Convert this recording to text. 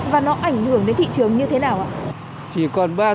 và nó ảnh hưởng đến thị trường như thế nào ạ